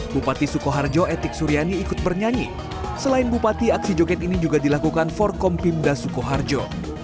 bupati sukoharjo etik suryani ikut bernyanyi selain bupati aksi joget ini juga dilakukan forkompimda sukoharjo